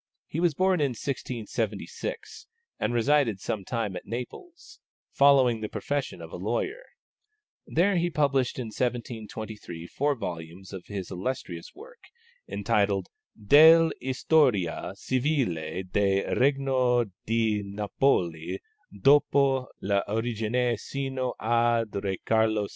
He was born in 1676, and resided some time at Naples, following the profession of a lawyer. There he published in 1723 four volumes of his illustrious work entitled _Dell' Historia civile del Regno di Napoli, dopo l'origine sino ad re Carlo VI.